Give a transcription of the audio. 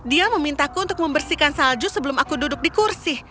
dia memintaku untuk membersihkan salju sebelum aku duduk di kursi